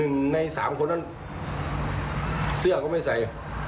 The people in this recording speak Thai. ๑ใน๓คนนั้นซื้อก็ไม่ใส่